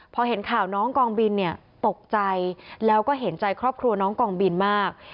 พอเห็นข่าวน้องกองบินเนี่ยตกใจแล้วก็เห็นใจครอบครัวน้องกองบินมาก